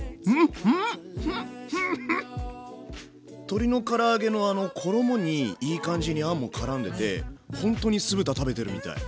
鶏のから揚げのあの衣にいい感じにあんもからんでてほんとに酢豚食べてるみたい。